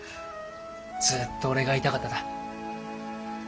ずっとお礼が言いたかっただ。